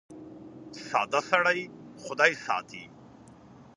ساده سړی خدای ساتي .